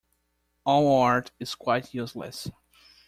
All art is quite useless.